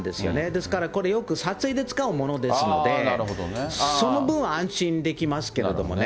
ですから、これ、よく撮影で使うものですので、その分は安心できますけどね。